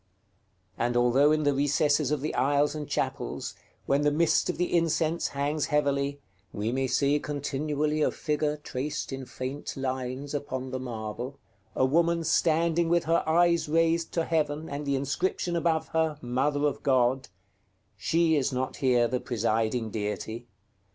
And although in the recesses of the aisles and chapels, when the mist of the incense hangs heavily, we may see continually a figure traced in faint lines upon their marble, a woman standing with her eyes raised to heaven, and the inscription above her, "Mother of God," she is not here the presiding deity.